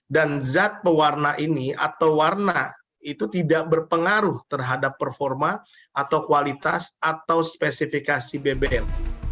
dan zat pewarna ini atau warna itu tidak berpengaruh terhadap performa atau kualitas atau spesifikasi bbm